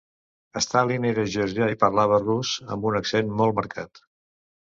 Stalin era georgià i parlava rus amb un accent molt marcat.